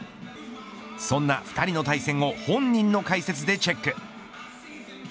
そんな２人の対戦を本人の解説でチェック。